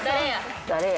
誰や？